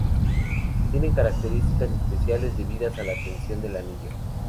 Tienen características especiales debidas a la tensión del anillo.